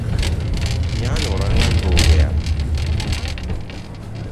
ഞാന് ഉറങ്ങാൻ പോവുകയാണ്